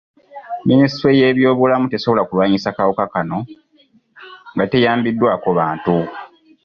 Minisitule y'ebyobulamu tesobola kulwanyisa kawuka kano nga teyambiddwako bantu.